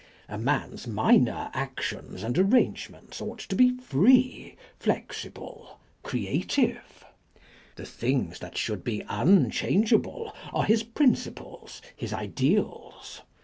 A man's minor actions and arrangements ought to be free, flexible, creative ; the things that should be unchangeable are his principles, his ideals.